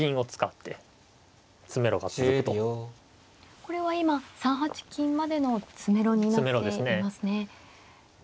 これは今３八金までの詰めろになっていますね。